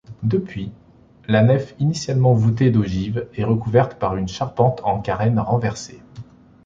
Depuis, la nef initialement voûtée d'ogives est recouverte par une charpente en carène renversée.